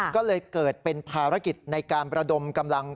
ก็เลยเกิดเป็นภารกิจในการประดมกำลัง